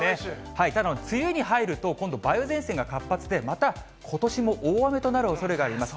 ただ、梅雨に入ると、今度、梅雨前線が活発で、またことしも大雨となるおそれがあります。